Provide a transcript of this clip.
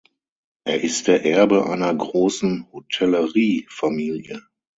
Er ist der Erbe einer großen Hotellerie-Familie.